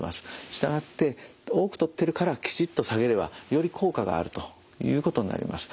従って多くとってるからきちっと下げればより効果があるということになります。